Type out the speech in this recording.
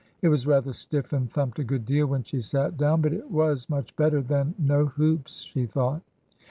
It was rather stiff and thumped a good deal when she sat down, but it was much better than no hoops, she thought.